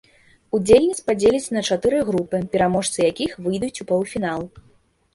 Удзельніц падзеляць на чатыры групы, пераможцы якіх выйдуць у паўфінал.